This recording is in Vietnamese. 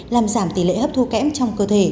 làm giảm tỷ lệ hấp thu kém trong cơ thể